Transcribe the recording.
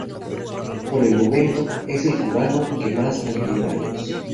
Por el momento, es el cubano que más años ha vivido.